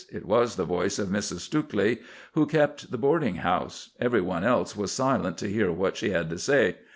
It was the voice of Mrs. Stukeley, who kept the boarding house. Every one else was silent to hear what she had to say.